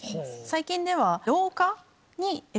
最近では。